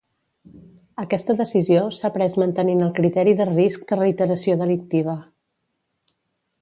Aquesta decisió s'ha pres mantenint el criteri de risc de reiteració delictiva.